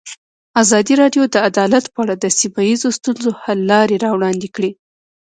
ازادي راډیو د عدالت په اړه د سیمه ییزو ستونزو حل لارې راوړاندې کړې.